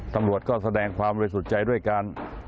ตำรวจก็แสดงความบริสุทธิ์ใจด้วยการ